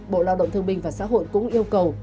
bộ lao động thương binh và xã hội cũng yêu cầu